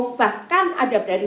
nanti saya akan t thirsty nuri